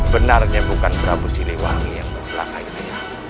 benarnya bukan prabu siliwangi yang memperlakanku